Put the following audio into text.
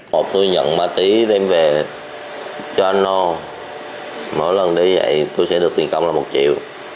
hộp tôi nhận ma túy đem về cho anh nô mỗi lần đi dậy tôi sẽ được tiền công là một triệu